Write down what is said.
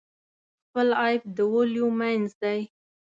خپل عیب د ولیو منځ دی.